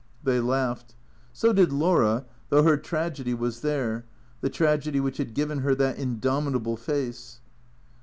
They laughed. So did Laura, though her tragedy was there, the tragedy which had given her that indomitable face.